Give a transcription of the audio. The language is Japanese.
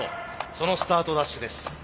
そのスタートダッシュです。